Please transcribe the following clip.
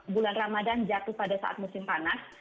bulan ramadan jatuh pada saat musim panas